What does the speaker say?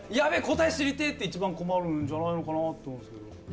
答え知りてえ！」って一番困るんじゃないのかなって思うんですけど。